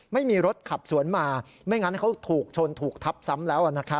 ไม่มีรถขับสวนมาไม่งั้นเขาถูกชนถูกทับซ้ำแล้ว